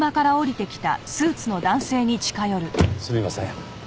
すみません。